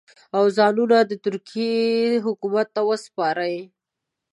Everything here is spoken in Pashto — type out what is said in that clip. او ځانونه د ترکیې حکومت ته وسپاري.